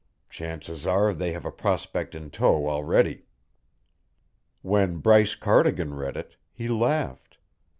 Chances are they have a prospect in tow already." When Bryce Cardigan read it, he laughed.